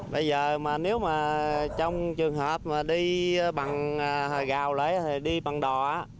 bây giờ mà nếu mà trong trường hợp mà đi bằng gào lễ đi bằng đò